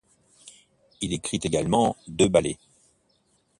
Il écrit également deux ballets.